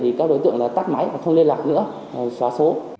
thì các đối tượng là tắt máy và không liên lạc nữa xóa số